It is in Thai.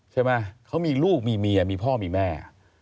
ใช่ไหมเขามีลูกมีเมียมีพ่อมีแม่